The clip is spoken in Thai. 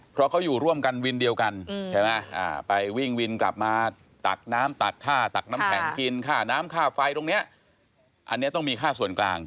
เพราะเขาอยู่ร่วมกันวินเดียวกันใช่ไหมไปวิ่งวินกลับมาตักน้ำตักท่าตักน้ำแข็งกินค่าน้ำค่าไฟตรงนี้อันนี้ต้องมีค่าส่วนกลาง